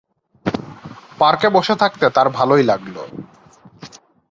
পর্কে বসে থাকতে তাঁর ভালোই লাগল।